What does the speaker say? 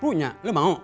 punya lo mau